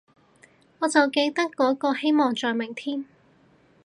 我就記得嗰個，希望在明天